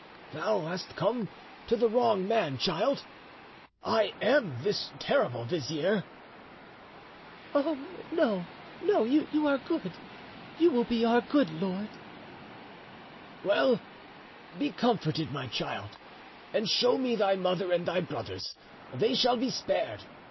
"Thou hast come to the wrong man, child: I am this terrible vizier." "Oh no, no! you are good, you will be our good lord." "Well, be comforted, my child, and show me thy mother and thy brothers; they shall be spared.